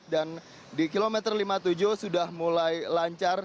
dan di kilometer lima puluh tujuh sudah mulai lancar